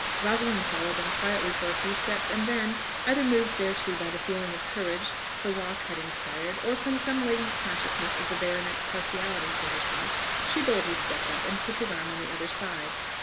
Rosalind followed them quietly for a few steps; and then, either moved thereto by the feeling of courage her walk had inspired, or from some latent consciousness of the baronet's partiality to herself, she boldly stepped up and took his arm on the other side.